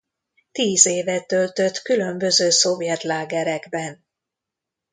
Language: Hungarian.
Tíz évet töltött különböző szovjet lágerekben.